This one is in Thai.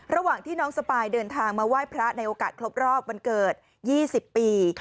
ระหว่างที่น้องสปายเดินทางมาไหว้พระในโอกาสครบรอบวันเกิด๒๐ปี